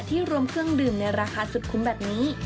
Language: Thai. รวมเครื่องดื่มในราคาสุดคุ้มแบบนี้